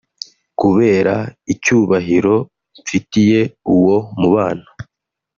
Kubera icyubahiro mfitiye uwo mubano